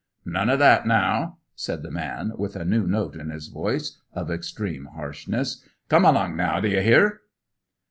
"None o' that, now!" said the man, with a new note in his voice, of extreme harshness. "Come along now; d'ye hear!"